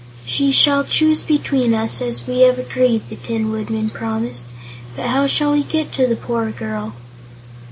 "She shall choose between us, as we have agreed," the Tin Woodman promised; "but how shall we get to the poor girl?"